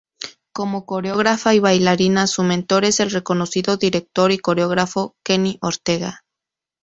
Cómo coreógrafa y bailarina, su mentor es el reconocido director y coreógrafo Kenny Ortega.